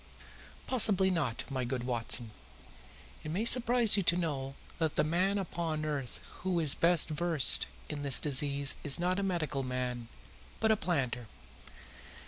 "Possibly not, my good Watson. It may surprise you to know that the man upon earth who is best versed in this disease is not a medical man, but a planter.